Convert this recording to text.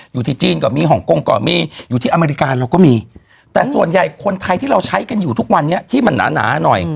อยู่ที่จีนก็มีฮ่องกงก็มีอยู่ที่อเมริกาเราก็มีแต่ส่วนใหญ่คนไทยที่เราใช้กันอยู่ทุกวันนี้ที่มันหนาหนาหน่อย